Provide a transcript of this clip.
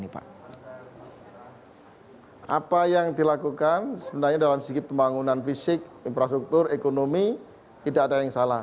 apa yang dilakukan sebenarnya dalam segi pembangunan fisik infrastruktur ekonomi tidak ada yang salah